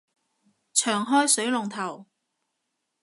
長開水龍頭